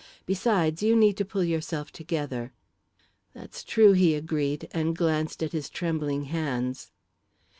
Besides, you need to pull yourself together." "That's true," he agreed, and glanced at his trembling hands.